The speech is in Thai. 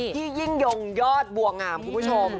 ยิ่งยงยอดบัวงามคุณผู้ชม